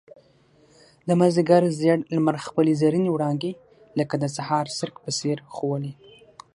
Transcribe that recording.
د مازيګر زېړ لمر خپل زرينې وړانګې لکه د سهار څرک په څېر ښوولې.